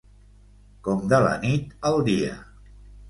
Com de la nit al dia.